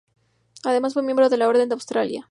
Además fue miembro de la Orden de Australia.